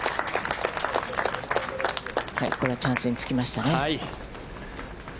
これはチャンスにつけましたね。